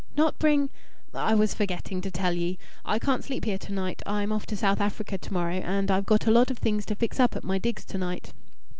"Not bring " "I was forgetting to tell ye. I can't sleep here to night. I'm off to South Africa to morrow, and I've got a lot of things to fix up at my digs to night."